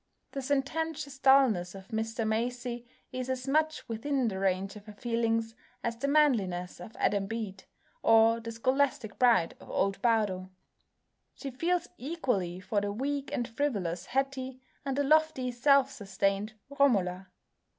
The sententious dulness of Mr Macey is as much within the range of her feelings as the manliness of Adam Bede or the scholastic pride of old Bardo. She feels equally for the weak and frivolous Hetty and the lofty, self sustained Romola.